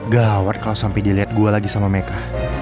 gawat kalo sampe dia liat gue lagi sama mereka